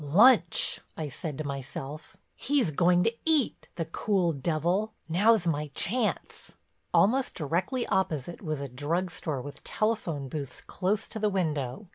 "Lunch!" I said to myself. "He's going to eat, the cool devil. Now's my chance!" Almost directly opposite was a drug store with telephone booths close to the window.